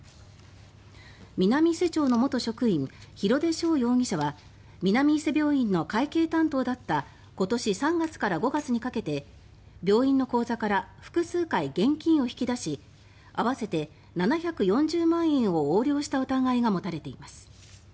南伊勢町の元職員廣出翔容疑者は南伊勢病院の会計担当だった今年３月から５月にかけて病院の口座から複数回現金を引き出し合わせて７４０万円を横領した疑いが持たれています。